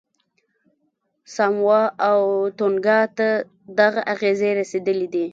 ساموا او تونګا ته دغه اغېزې رسېدلې دي.